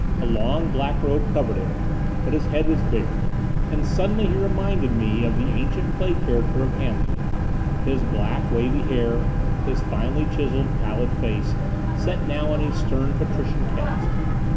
A long black robe covered him, but his head was bare. And suddenly he reminded me of the ancient play character of Hamlet. His black, wavy hair; his finely chiseled, pallid face, set now in a stern, patrician cast.